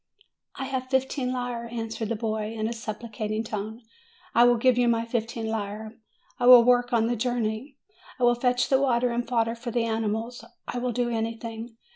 "I have fifteen lire," answered the boy in a supplicat ing tone ; "I will give you my fifteen lire. I will work on the journey; I will fetch the water and fodder for the animals; I will do anything.